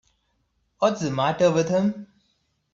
What's the matter with him.